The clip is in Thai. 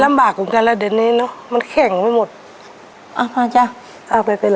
ลำบากกว่ากันแล้วเดี๋ยวนี้เนอะมันแข็งไม่หมดเอามาจ้ะเอาไปไปเลย